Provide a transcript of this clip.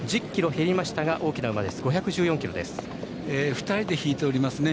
２人で引いておりますね。